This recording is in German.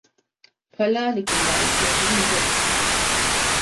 Pölla liegt im Waldviertel in Niederösterreich.